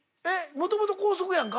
もともと高速やんか。